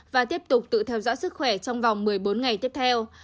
và tiếp tục tự theo dõi sức khỏe trong vòng một mươi bốn ngày tiếp theo